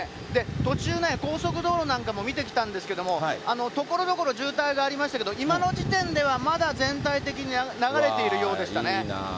途中ね、高速道路なんかも見てきたんですけども、ところどころ渋滞がありましたけど、今の時点ではまだ全体的に流れているようでしたね。